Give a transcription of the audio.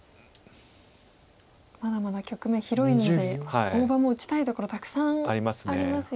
まだまだ局面広いので大場も打ちたいところたくさんありますよね。